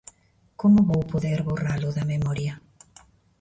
Como vou poder borralo da memoria?